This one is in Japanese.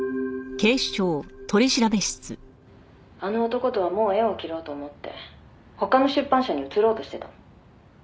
「あの男とはもう縁を切ろうと思って他の出版社に移ろうとしてたの」